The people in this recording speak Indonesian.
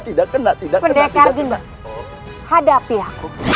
tidak kena tidak kena tidak kena